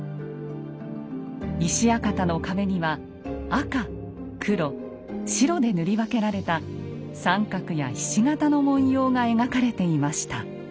石屋形の壁には赤・黒・白で塗り分けられた三角やひし形の文様が描かれていました。